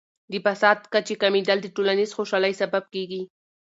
د فساد کچې کمیدل د ټولنیز خوشحالۍ سبب کیږي.